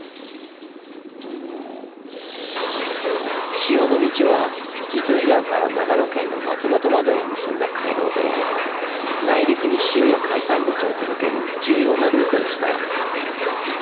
「塩の道」は糸魚川から長野県の松本までを結んだ街道で内陸に塩や海産物を届ける重要なルートでした。